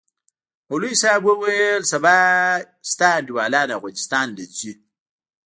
مولوي صاحب وويل سبا د تا انډيوالان افغانستان له زي.